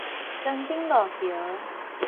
莊頂路橋